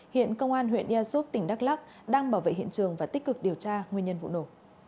hiện công an huyện yasup tỉnh đắk lắk đang bảo vệ hiện trường và tích cực điều tra nguyên nhân vụ nổ